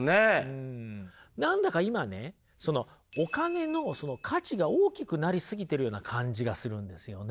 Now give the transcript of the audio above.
うん何だか今ねそのお金の価値が大きくなりすぎているような感じがするんですよね。